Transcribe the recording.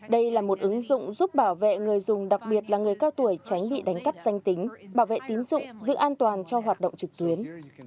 đây là một ứng dụng giúp bảo vệ người dùng đặc biệt là người cao tuổi tránh bị đánh cắp danh tính bảo vệ tín dụng giữ an toàn cho hoạt động trực tuyến